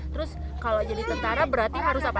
terus kalau jadi tentara berarti harus apa